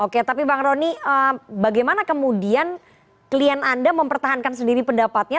oke tapi bang roni bagaimana kemudian klien anda mempertahankan sendiri pendapatnya